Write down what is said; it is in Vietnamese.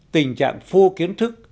tình trạng phô kiến thức